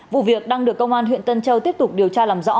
vụ việc đang được công an huyện tân châu tiếp tục điều tra làm rõ